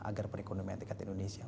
agar perekonomian dekat indonesia